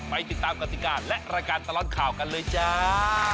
ไปติดตามกติกาและรายการตลอดข่าวกันเลยจ้า